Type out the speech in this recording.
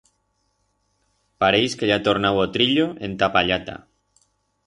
Pareix que ya ha tornau o trillo enta a pallata.